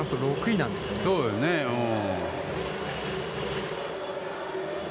そうですね、うん。